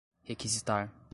requisitar